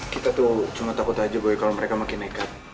kita tuh cuma takut aja gue kalau mereka makin nekat